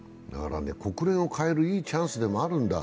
国連を変えるいいチャンスでもあるんだ。